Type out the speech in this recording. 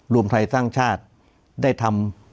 รวมไทยสร้างชาติได้ทำ